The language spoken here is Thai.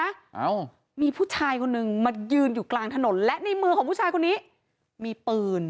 เอ้ามีผู้ชายคนนึงมายืนอยู่กลางถนนและในมือของผู้ชายคนนี้มีปืน